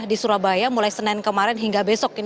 di surabaya mulai senin kemarin hingga besok